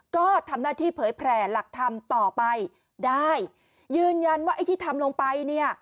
ก็ทำหน้าที่เผยแผลหลักธรรมต่อไปได้ยืนยันว่าไอ้ที่ทำลงไปเนี่ย